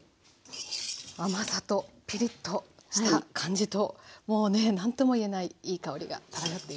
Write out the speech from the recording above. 甘さとピリッとした感じともうね何とも言えないいい香りが漂っています。